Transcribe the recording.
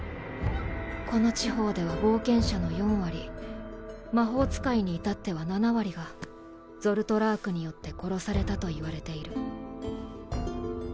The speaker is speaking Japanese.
この地方では冒険者の４割魔法使いに至っては７割がゾルトラークによって殺されたといわれている。